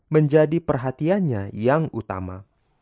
menjadi perhatiannya yang utama